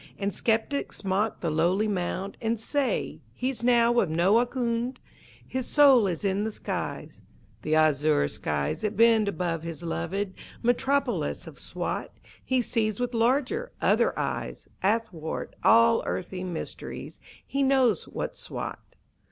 And skeptics mock the lowly mound And say, "He's now of no Ahkoond!" His soul is in the skies, The azure skies that bend above his loved Metropolis of Swat. He sees with larger, other eyes, Athwart all earthly mysteries He knows what's Swat.